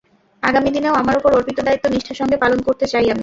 আগামী দিনেও আমার ওপর অর্পিত দায়িত্ব নিষ্ঠার সঙ্গে পালন করতে চাই আমি।